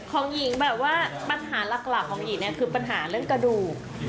ของหญิงแบบว่าปัญหาหลักของหญิงเนี่ยคือปัญหาเรื่องกระดูก